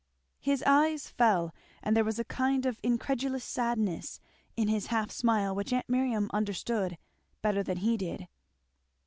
His eyes fell, and there was a kind of incredulous sadness in his half smile which aunt Miriam understood better than he did.